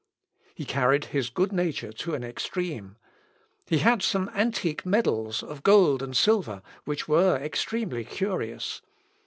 He carried his good nature to an extreme. He had some antique medals of gold and silver, which were extremely curious.